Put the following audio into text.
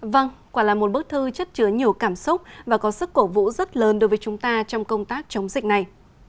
vâng quả là một bức thư chất chứa nhiều cảm xúc và có sức cổ vũ rất lớn đối với chúng ta trong công tác chống dịch này